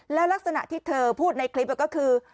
แล้วลักษณะที่เธอพูดในคลิปก็คือ